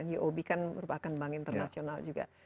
uob kan merupakan bank internasional juga